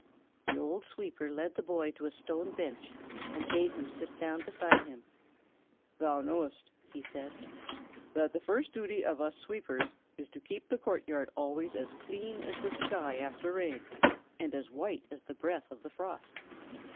The old sweeper led the boy to a stone bench, and bade him sit down beside him. "Thou knowest," he said, "that the first duty of us sweepers is to keep the court yard always as clean as the sky after rain, and as white as the breath of the frost."